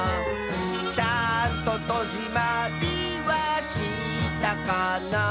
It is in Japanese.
「ちゃんととじまりはしたかな」